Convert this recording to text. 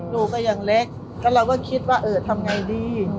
ลูกก็ยังเล็กแล้วเราก็คิดว่าเออทำไงดี